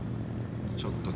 ちょっと。